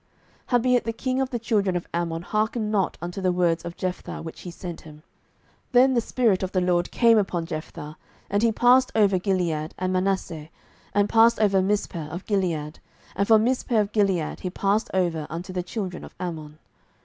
07:011:028 Howbeit the king of the children of Ammon hearkened not unto the words of Jephthah which he sent him. 07:011:029 Then the Spirit of the LORD came upon Jephthah, and he passed over Gilead, and Manasseh, and passed over Mizpeh of Gilead, and from Mizpeh of Gilead he passed over unto the children of Ammon.